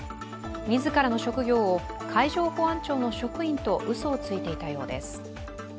自らの職業を海上保安庁の職員とうそをついていたようです。